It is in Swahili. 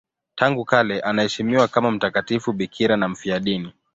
Tangu kale anaheshimiwa kama mtakatifu bikira na mfiadini.